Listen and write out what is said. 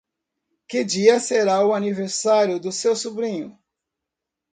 Que dia será o aniversário do seu sobrinho?